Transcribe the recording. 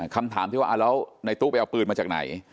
คำถามที่ว่าแล้วในตู้ไปเอาปืนมาจากไหน